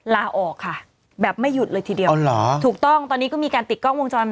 ลาออกค่ะแบบไม่หยุดเลยทีเดียวอ๋อเหรอถูกต้องตอนนี้ก็มีการติดกล้องวงจร